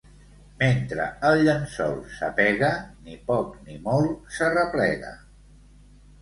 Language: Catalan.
Mentre el llençol s'apega, ni poc ni molt s'arreplega.